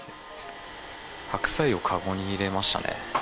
白菜を籠に入れましたね。